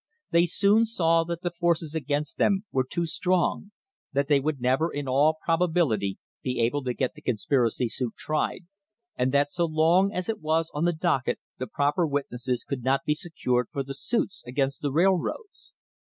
They soon saw that the forces against them were too strong, that they would never in all probability be able to get the conspiracy suit tried, and that so long as it was on the docket the proper witnesses could not be secured for the suits against the railroads.